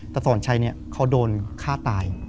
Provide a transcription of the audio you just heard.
แต่สอนชัยเขาโดนฆ่าตาย